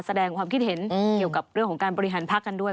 แสดงความคิดเห็นเกี่ยวกับเรื่องของการบริหารพักกันด้วย